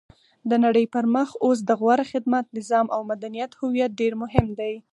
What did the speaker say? د نړۍ پرمخ اوس د غوره خدمت، نظام او مدنیت هویت ډېر مهم دی.